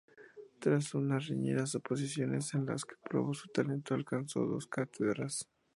Tras unas reñidas oposiciones, en las que probó su talento, alcanzó dos cátedras.